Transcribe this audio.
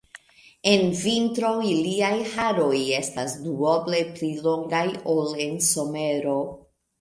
En vintro iliaj haroj estas duoble pli longaj ol en somero.